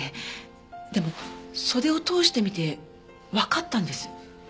でも袖を通してみてわかったんです。